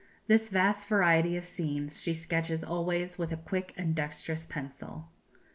This vast variety of scenes she sketches always with a quick and dexterous pencil.